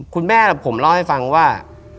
คุณแม่ผมเล่าให้ฟังว่า